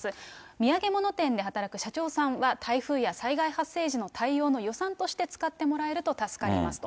土産物店で働く社長さんは、台風や災害発生時の対応の予算として使ってもらえると助かりますと。